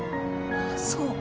そう。